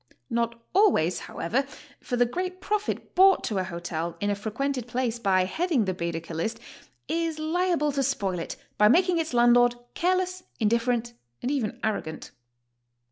Not always, however, for the great profit brought to a hotel in a frequented place by head ing the Baedeker list is liable to spoil it by making its land lord careless, indifferent, and even arrogant.